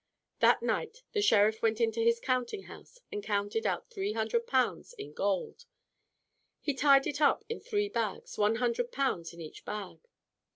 That night the Sheriff went into his counting house and counted out three hundred pounds in gold. He tied it up in three bags, one hundred pounds in each bag.